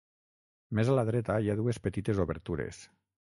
Més a la dreta, hi ha dues petites obertures.